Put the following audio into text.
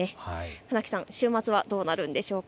船木さん、週末はどうなるんでしょうか。